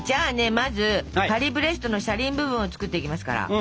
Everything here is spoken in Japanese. まずパリブレストの車輪部分を作っていきますから。